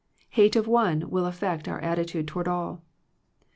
Hate of one will affect our attitude to ward all.